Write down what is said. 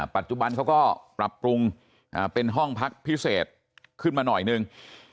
ปัจจุบันเขาก็ปรับปรุงเป็นห้องพักพิเศษขึ้นมาหน่อยนึง